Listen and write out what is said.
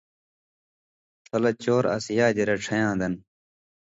ݜلہ چور اَس یادی رَڇھَیں یاں دَن